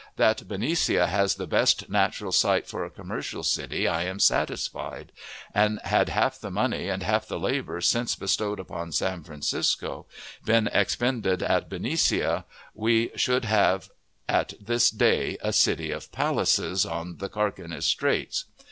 That Benicia has the best natural site for a commercial city, I am, satisfied; and had half the money and half the labor since bestowed upon San Francisco been expended at Benicia, we should have at this day a city of palaces on the Carquinez Straits.